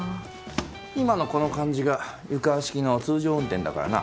今のこの感じが湯川式の通常運転だからな。